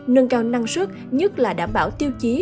nâng cao năng suất nhất là đảm bảo tiêu chí